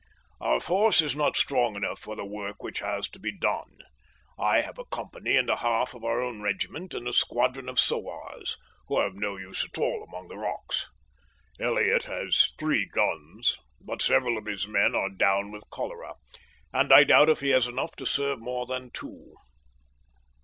Our force is not strong enough for the work which has to be done. I have a company and a half of our own regiment, and a squadron of Sowars, who are of no use at all among the rocks. Elliott has three guns, but several of his men are down with cholera, and I doubt if he has enough to serve more than two.